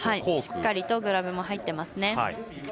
しっかりとグラブも入ってますね。